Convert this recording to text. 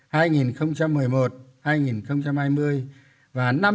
phát triển kinh tế xã hội năm hai nghìn một mươi một hai nghìn hai mươi